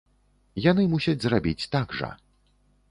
Яны мусяць зрабіць так жа.